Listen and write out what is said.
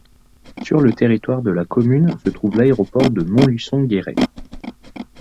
Sur le territoire de la commune se trouve l'aéroport de Montluçon Guéret.